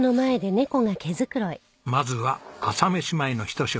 まずは朝飯前のひと仕事。